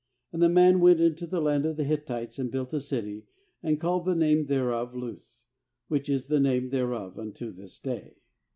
26And the man went into the land of the Hittites, and built a city, and called the name thereof Luz, which is the name thereof unto this day.